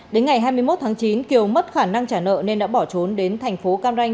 đến ngày hai mươi một tháng chín kiều mất khả năng trả nợ nên đã bỏ trốn đến thành phố cam ranh